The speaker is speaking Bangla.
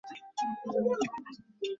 আমার ডীনের মেয়ে।